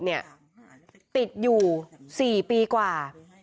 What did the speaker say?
ติดอยู่๔ปีกว่า